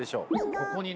ここにね